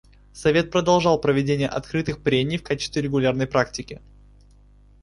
Совет продолжал проведение открытых прений в качестве регулярной практики.